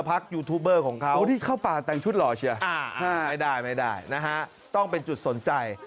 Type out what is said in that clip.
เป็นจุดสนใจ